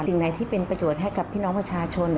สิ่งไหนที่เป็นประโยชน์ให้กับพี่น้องประชาชน